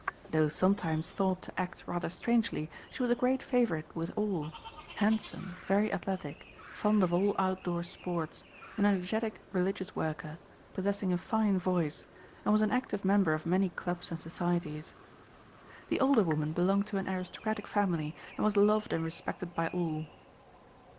Though sometimes thought to act rather strangely, she was a great favorite with all, handsome, very athletic, fond of all outdoor sports, an energetic religious worker, possessing a fine voice, and was an active member of many clubs and societies. The older woman belonged to an aristocratic family and was loved and respected by all.